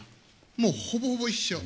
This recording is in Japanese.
もうほぼほぼ一緒。